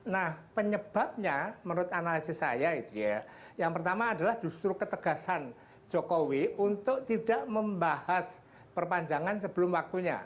nah penyebabnya menurut analisis saya itu ya yang pertama adalah justru ketegasan jokowi untuk tidak membahas perpanjangan sebelum waktunya